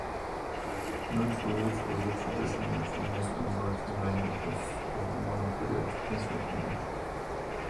No true literary tradition for Mesoamerican languages of the modern period has yet emerged.